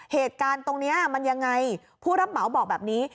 เหตุการณ์ตรงนี้มันยังไงผู้รับเหมาบอกแบบนี้